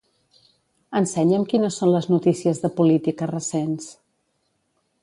Ensenya'm quines són les notícies de política recents.